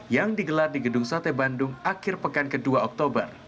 yang digelar di gedung sate bandung akhir pekan ke dua oktober